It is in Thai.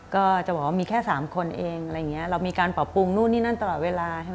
ก็จะบอกว่ามีแค่๓คนเองเรามีการปรับปรุงนู่นนี่นั่นตลอดเวลา